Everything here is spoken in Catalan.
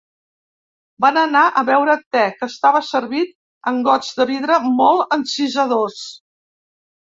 Van anar a beure te, que estava servit en gots de vidre molt encisadors.